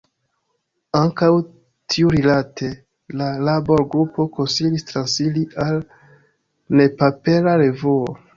Ankaŭ tiurilate la labor-grupo konsilis transiri al nepapera revuo.